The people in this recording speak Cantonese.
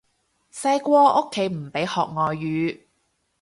細個屋企唔俾學外語